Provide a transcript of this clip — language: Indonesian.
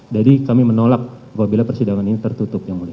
jadi kami menolak apabila persidangan ini tertutup